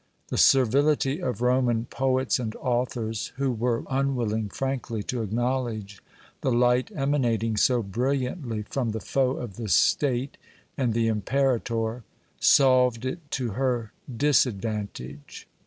The servility of Roman poets and authors, who were unwilling frankly to acknowledge the light emanating so brilliantly from the foe of the state and the Imperator, solved it to her disadvantage.